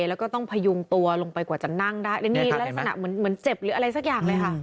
แล้วก็ต้องพยุงตัวลงไปกว่าจะนั่งได้แล้วนี่ลักษณะเหมือนเหมือนเจ็บหรืออะไรสักอย่างเลยค่ะ